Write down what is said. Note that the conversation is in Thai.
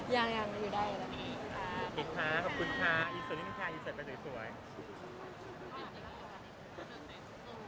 ยังไม่ได้